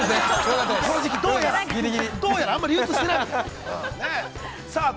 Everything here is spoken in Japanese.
◆この時期、どうやらどうやらあんまり流通してないみたい！